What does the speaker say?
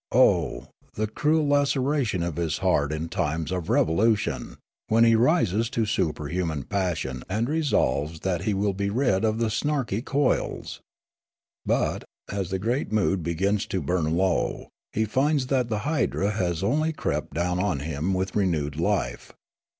Oh, the cruel laceration of his heart in times of revolution, when he rises to superhuman passion and resolves that he will be rid of the snaky coils ! But, as the great mood begins to burn low, he finds that the hydra has only crept down on him with renewed life.